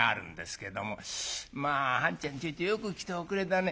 「まあ半ちゃんちょいとよく来ておくれだね。